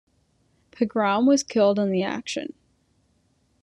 Pegram was killed in the action.